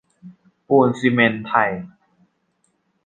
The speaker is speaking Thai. ปูนซิเมนต์ไทย